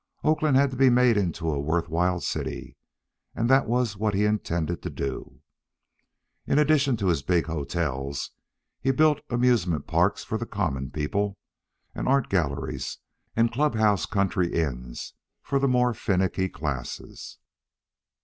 Oakland had to be made into a worth while city, and that was what he intended to do. In addition to his big hotels, he built amusement parks for the common people, and art galleries and club house country inns for the more finicky classes.